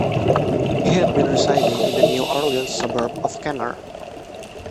He had been residing in the New Orleans suburb of Kenner.